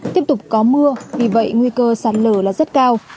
tiếp tục có mưa vì vậy nguy cơ sạt lở là rất cao